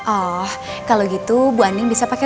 oh kalau gitu bu ani bisa pakai